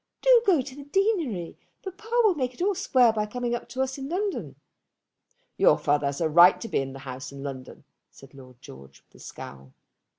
Do go to the deanery. Papa will make it all square by coming up to us in London." "Your father has a right to be in the house in London," said Lord George with a scowl.